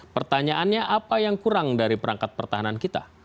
pertanyaannya apa yang kurang dari perangkat pertahanan kita